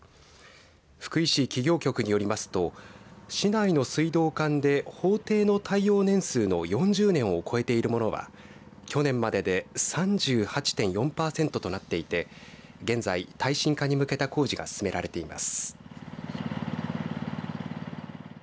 福井市企業局によりますと市内の水道管で法定の耐用年数の４０年を超えているものは去年までで３８．４パーセントとなっていて現在、耐震化に向けた工事が進められています。